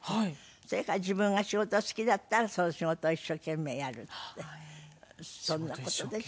それから自分が仕事を好きだったらその仕事を一生懸命やるってそんな事でしょうかしらね。